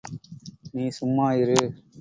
நீ சும்மா இரு.